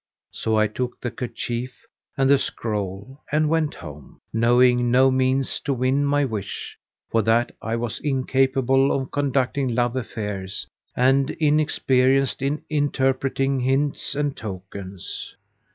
So I took the kerchief and the scroll and went home, knowing no means to win my wish, for that I was incapable of conducting love affairs and inexperienced in interpreting hints and tokens.